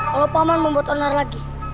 kalau paman membuat onar lagi